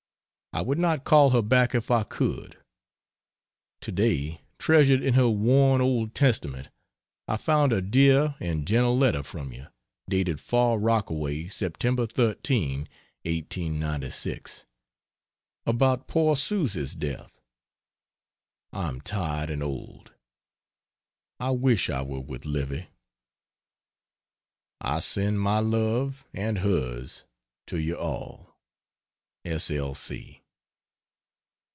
I would not call her back if I could. Today, treasured in her worn old Testament, I found a dear and gentle letter from you, dated Far Rockaway, Sept. 13, 1896, about our poor Susy's death. I am tired and old; I wish I were with Livy. I send my love and hers to you all. S. L.